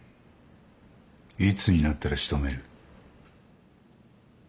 いつになったら仕留める？